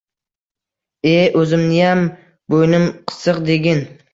– E-e, o‘zimniyam bo‘ynim qisiq degin?